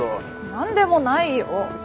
何でもないよ。